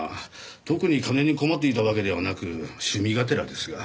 特に金に困っていたわけではなく趣味がてらですが。